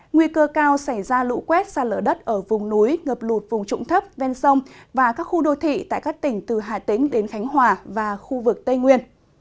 nguy cơ cao xảy ra lũ quét xa lở đất ở vùng núi ngập lụt vùng trụng thấp ven sông và các khu đô thị tại các tỉnh từ hà tĩnh đến khánh hòa và khu vực tây nguyên